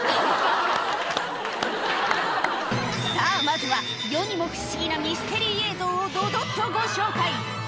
さぁまずは世にも不思議なミステリー映像をどどっとご紹介